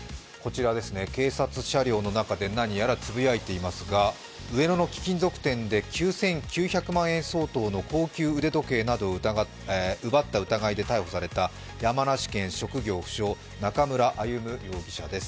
警察車両の中で何やらつぶやいていますが上野の貴金属店で９９００万円相当の高級腕時計などを奪った疑いで逮捕された山梨県の職業不詳、中村歩武容疑者です。